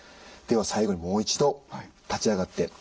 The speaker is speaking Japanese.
では最後にもう一度立ち上がって。